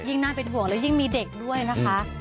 น่าเป็นห่วงแล้วยิ่งมีเด็กด้วยนะคะ